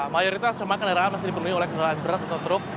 mayoritas rumah kendaraan masih dipenuhi oleh kendaraan berat atau truk